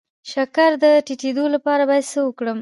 د شکر د ټیټیدو لپاره باید څه وکړم؟